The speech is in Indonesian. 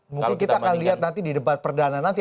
mungkin kita akan lihat nanti di debat perdana nanti